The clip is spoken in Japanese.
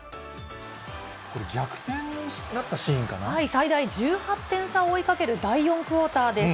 これ、最大１８点差を追いかける第４クオーターです。